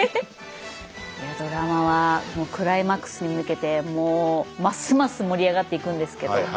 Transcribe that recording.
いやドラマはもうクライマックスに向けてもうますます盛り上がっていくんですけど。